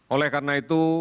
oleh karena itu